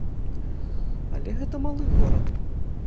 Але гэта малы горад.